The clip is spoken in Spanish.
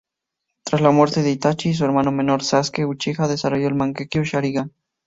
Tras la muerte de Itachi, su hermano menor Sasuke Uchiha desarrolló el Mangekyō Sharingan.